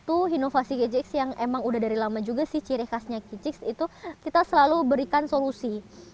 satu inovasi kejaksaan emang udah dari lama juga sih ciri khasnya kejaksaan itu kita selalu berikan solusi